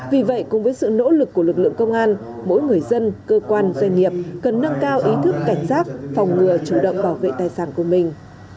vì vậy cùng với sự nỗ lực của lực lượng công an mỗi người dân cơ quan doanh nghiệp cần nâng cao ý thức cảnh giác phòng ngừa chủ động bảo vệ tài sản của mình